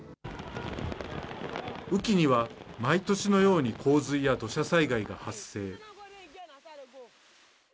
雨期には毎年のように洪水や土砂災害が発生。